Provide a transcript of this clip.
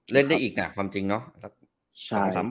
เล่นอีกค่ะความจริงเนอะ